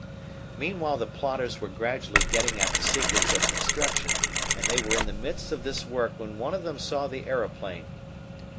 Meanwhile the plotters were gradually getting at the secrets of construction, and they were in the midst of this work when one of them saw the aeroplane.